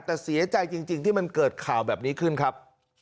แต่เสียใจจริงที่มันเกิดข่าวแบบนี้ขึ้นครับ